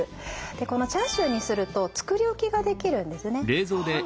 でこのチャーシューにすると作り置きができるんですね。